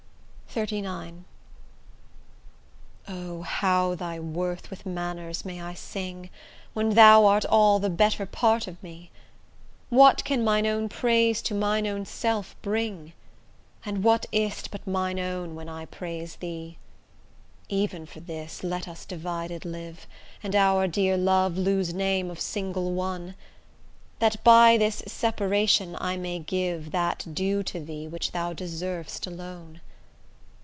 XXXIX O! how thy worth with manners may I sing, When thou art all the better part of me? What can mine own praise to mine own self bring? And what is't but mine own when I praise thee? Even for this, let us divided live, And our dear love lose name of single one, That by this separation I may give That due to thee which thou deserv'st alone.